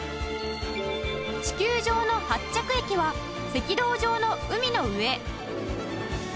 地球上の発着駅は赤道上の海の上